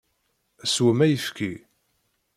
Swem ayefki!